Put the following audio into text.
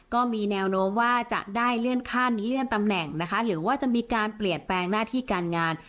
ก็มีแนวโน้มว่าจะได้เลื่อนขั้นเลื่อนตำแหน่งนะคะหรือว่าจะมีการเปลี่ยนแปลงหน้าที่การงาน